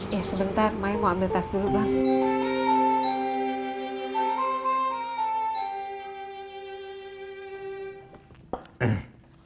ya sebentar mai mau ambil tas dulu bang